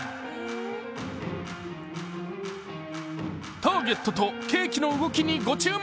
ターゲットとケーキの動きに御注目。